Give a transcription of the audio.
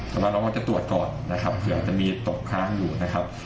แต่เราก็ตรวจก่อนเผื่อจะมีตกค้างอยู่นะครับ